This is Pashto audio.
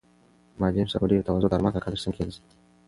معلم صاحب په ډېرې تواضع د ارمان کاکا تر څنګ کېناست.